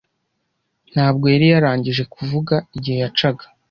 Ntabwo yari yarangije kuvuga igihe yacaga.